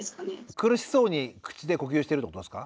苦しそうに口で呼吸してるってことですか？